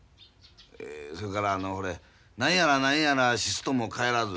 それからあのほれ「何やら何やら死すとも帰らず」